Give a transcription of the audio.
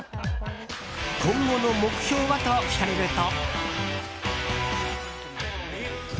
今後の目標は？と聞かれると。